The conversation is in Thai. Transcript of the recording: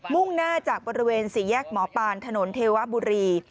่งหน้าจากบริเวณสี่แยกหมอปานถนนเทวบุรี